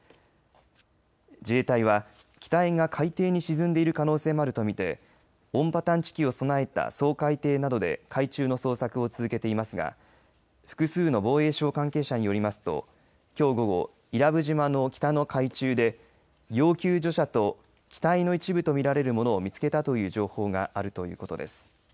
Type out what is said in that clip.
自衛隊は機体が海底に沈んでいる可能性もあると見て音波探知機を備えた掃海艇などで海中の捜索を続けていますが複数の防衛省関係者によりますときょう午後伊良部島の北の海中で要救助者と機体の一部と見られるものを見つけたという情報があるということです。